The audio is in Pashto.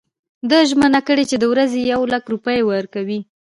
ده ژمنه کړې چې د ورځي یو لک روپۍ ورکوي.